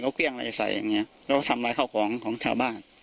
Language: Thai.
เค้าเบี้ยงอะไรให้ใส่ก็แล้วก็ทำแบบนี้